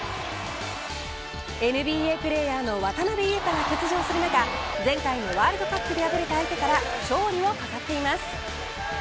ＮＢＡプレーヤーの渡邊雄太が欠場する中前回のワールドカップで敗れた相手から、勝利を飾っています。